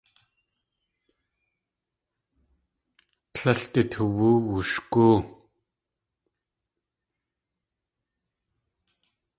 Tlél du toowú wushgóo.